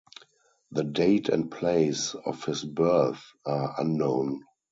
The date and place of his birth are unknown.